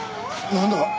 なんだ？